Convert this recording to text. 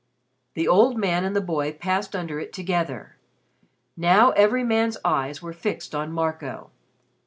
The old man and the boy passed under it together. Now every man's eyes were fixed on Marco.